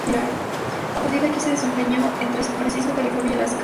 A partir de aquí, se desempeñó entre San Francisco, California y Alaska.